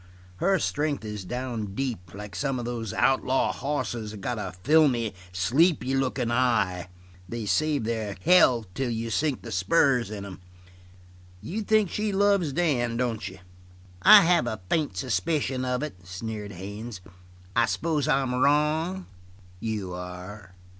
Her strength is down deep, like some of these outlaw hosses that got a filmy, sleepy lookin' eye. They save their hell till you sink the spurs in 'em. You think she loves Dan, don't you?" "I have a faint suspicion of it," sneered Haines. "I suppose I'm wrong?" "You are."